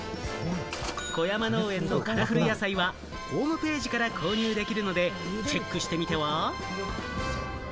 小山農園のカラフル野菜はホームページから購入できるのでチェックしてみては？